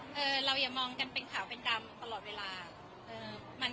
เราอย่ามองกันเป็นข่าวเป็นดำตลอดเวลา